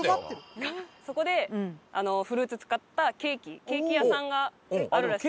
そこでフルーツ使ったケーキケーキ屋さんがあるらしくて。